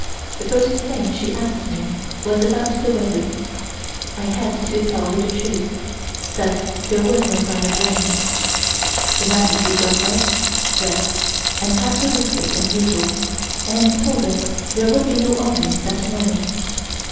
The first thing she asked me was about the weather. I had to tell her the truth that there was no sign of rain. Her Majesty got up, dressed, and had her breakfast as usual, and told us there would be no audience that morning.